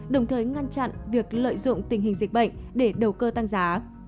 đồng thời ngăn chặn việc lợi dụng tình hình dịch bệnh để đầu cơ tăng giá